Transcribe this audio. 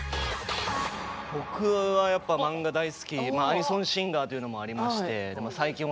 僕はやっぱ漫画大好きまあア二ソンシンガーというのもありまして